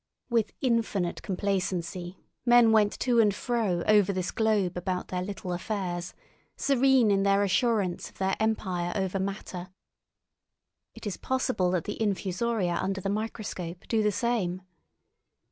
With infinite complacency men went to and fro over this globe about their little affairs, serene in their assurance of their empire over matter. It is possible that the infusoria under the microscope do the same.